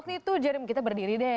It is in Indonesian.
kalau waktu itu jari kita berdiri deh